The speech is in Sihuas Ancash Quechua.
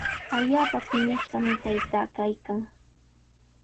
Allaapa piñashqami taytaa kaykan.